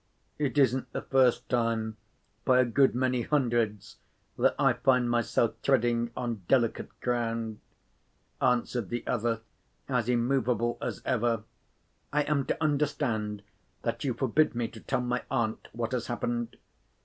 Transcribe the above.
"It isn't the first time, by a good many hundreds, that I find myself treading on delicate ground," answered the other, as immovable as ever. "I am to understand that you forbid me to tell my aunt what has happened?"